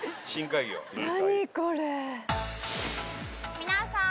皆さん！